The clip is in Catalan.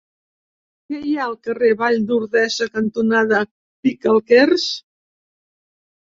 Què hi ha al carrer Vall d'Ordesa cantonada Picalquers?